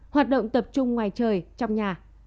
tám hoạt động tập trung ngoài trời trong nhà